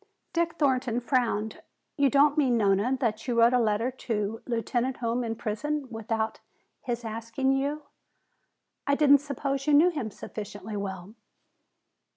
Dick Thornton frowned. "You don't mean, Nona, that you wrote a letter to Lieutenant Hume in prison without his asking you. I didn't suppose you knew him sufficiently well."